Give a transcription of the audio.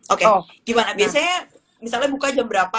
oke gimana biasanya misalnya buka jam berapa